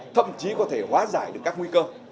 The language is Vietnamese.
thậm chí có thể hóa giải được các nguy cơ